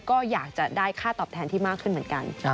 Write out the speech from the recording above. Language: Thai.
ก็อยากจะได้ค่าตอบแทนที่มากขึ้นเหมือนกัน